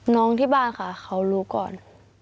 น้องที่บ้านค่ะเขารู้ก่อน